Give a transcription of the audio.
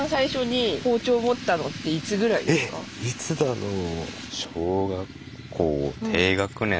えっいつだろう。